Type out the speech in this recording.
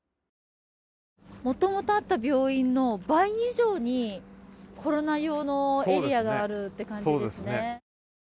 もともとあった病院の倍以上にコロナ用のエリアがあるっていう感じですね。